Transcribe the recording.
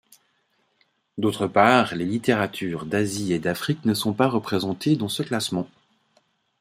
D'autre part, les littératures d'Asie et d'Afrique ne sont pas représentées dans ce classement.